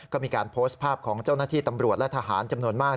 ก็มีการโพสต์ภาพของเจ้าหน้าที่ตำรวจและทหารจำนวนมาก